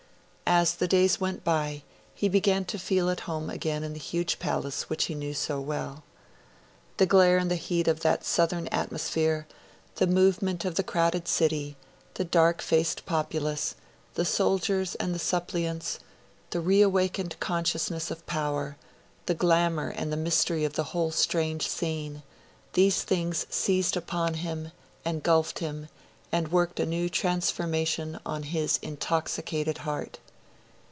As the days went by, he began to feel at home again in the huge palace which he knew so well. The glare and the heat of that southern atmosphere, the movement of the crowded city, the dark faced populace, the soldiers and the suppliants, the reawakened consciousness of power, the glamour and the mystery of the whole strange scene these things seized upon him, engulfed him, and worked a new transformation on his intoxicated heart.